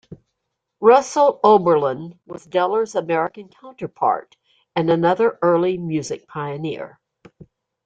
Russell Oberlin was Deller's American counterpart, and another early music pioneer.